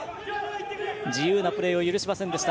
自由なプレーを許しませんでした。